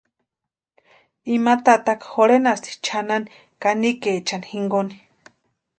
Ima tataka jorhenasti chʼanani kanikaechani jinkoni.